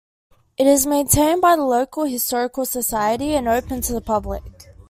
It is maintained by the local historical society, and open to the public.